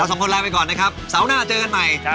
เราสองคนไปก่อนนะครับเจอกันใหม่